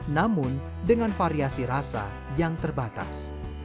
namun dengan variasi rasa yang terbatas